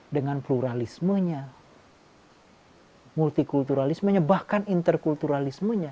dengan pluralismenya multikulturalismenya bahkan interkulturalismenya